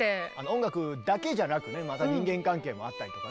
音楽だけじゃなくねまた人間関係もあったりとかね。